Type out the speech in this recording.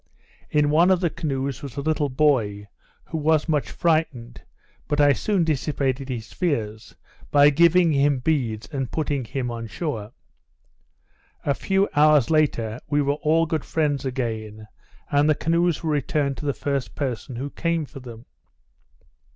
In one of the canoes was a little boy, who was much frightened, but I soon dissipated his fears, by giving him beads, and putting him on shore. A few hours after, we were all good friends again, and the canoes were returned to the first person who came for them.